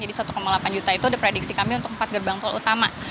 jadi satu delapan juta itu sudah prediksi kami untuk empat gerbang tol utama